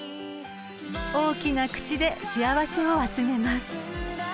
［大きな口で幸せを集めます］